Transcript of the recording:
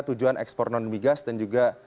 tujuan ekspor non migas dan juga